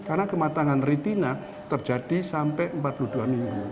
karena kematangan retina terjadi sampai empat puluh dua minggu